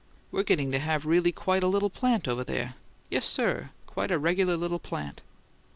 We're getting to have really quite a little plant over there: yes, sir, quite a regular little plant!"